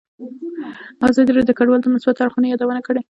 ازادي راډیو د کډوال د مثبتو اړخونو یادونه کړې.